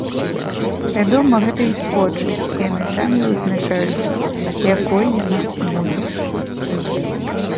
Вядома, гэта іх творчасць і яны самі вызначаюцца, якой яна будзе.